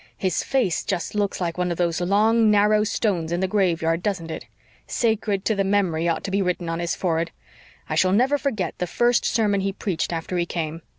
His face just looks like one of those long, narrow stones in the graveyard, doesn't it? 'Sacred to the memory' ought to be written on his forehead. I shall never forget the first sermon he preached after he came.